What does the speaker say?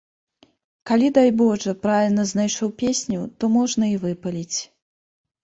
Калі, дай божа, правільна знайшоў песню, то можна і выпаліць.